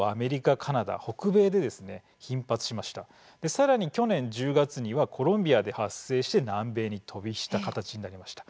さらに去年１０月にはコロンビアで発生して南米に飛び火した形になりました。